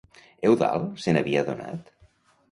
Eudald se n'havia adonat?